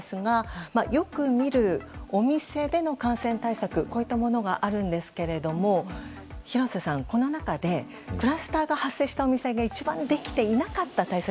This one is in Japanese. よく見るお店での感染対策はこういったものがあるんですが廣瀬さん、この中でクラスターが発生したお店が一番できていなかった対策